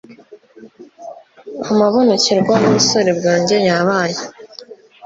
Amabonekerwa yubusore bwanjye yabaye